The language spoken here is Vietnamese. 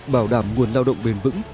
bảo đảm nguồn lao động bền vững